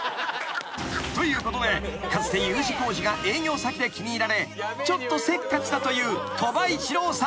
［ということでかつてＵ字工事が営業先で気に入られちょっとせっかちだという鳥羽一郎さんをブースト］